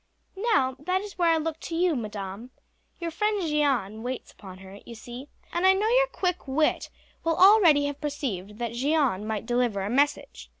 "Now that is where I look to you, madam. Your friend Jeanne waits upon her, you see, and I know your quick wit will already have perceived that Jeanne might deliver a message.